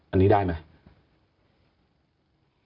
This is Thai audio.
อันนี้ได้ไหม